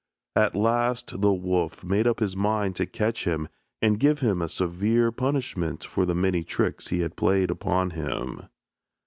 At last the wolf made up his mind to catch him and give him a severe punishment for the many tricks he had played upon him.